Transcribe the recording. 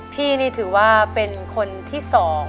พี่นี่ถือว่าเป็นคนที่๒